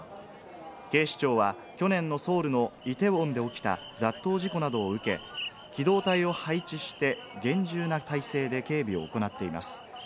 警視庁は去年のソウルのイテウォンで起きた雑踏事故などを受け、機動隊を配置して厳重な体制で警備を行っています。